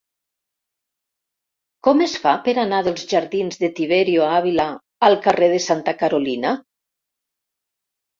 Com es fa per anar dels jardins de Tiberio Ávila al carrer de Santa Carolina?